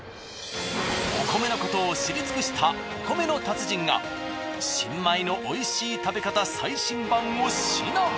お米のことを知り尽くしたお米の達人が新米の美味しい食べ方最新版を指南。